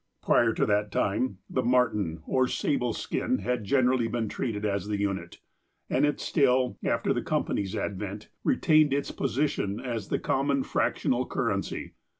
Prior to that time, the marten or sable skin had generally been treated as the unit, and it still, after the company's advent, retained its position as the common fractional currency.